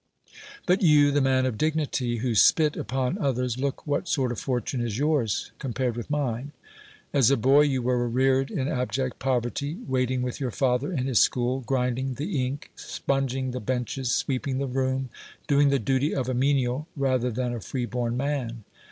But you, the man of dignity, who spit upon others, look what sort of fortune is yours com pared with mine. As a boy you were reared in abject poverty, waiting with your father in his school, grinding the ink, sponging the benches, svv'eeping the room, doing the duty of a menial rather than a freeborn m.an.